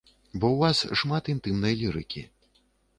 Бо ў вас шмат інтымнай лірыкі.